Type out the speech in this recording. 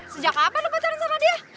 sejak kapan lu pacaran sama dia